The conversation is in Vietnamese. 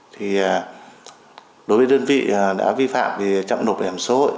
thì đối với đơn vị đã vi phạm thì chậm nộp bảo hiểm xã hội